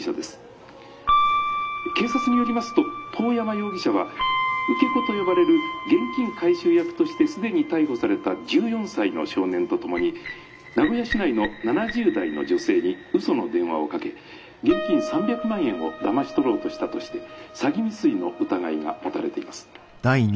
警察によりますと遠山容疑者は受け子と呼ばれる現金回収役として既に逮捕された１４歳の少年と共に名古屋市内の７０代の女性に嘘の電話をかけ現金３００万円をだまし取ろうとしたとして詐欺未遂の疑いが持たれています」。